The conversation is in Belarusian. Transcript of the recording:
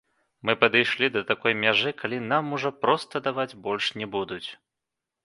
Мы падышлі да такой мяжы, калі нам ужо проста даваць больш не будуць.